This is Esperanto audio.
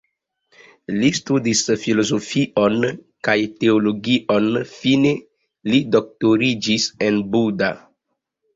Li studis filozofion kaj teologion, fine li doktoriĝis en Buda.